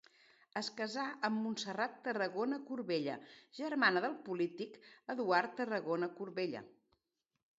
Es casà amb Montserrat Tarragona Corbella, germana del polític Eduard Tarragona Corbella.